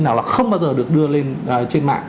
nào là không bao giờ được đưa lên trên mạng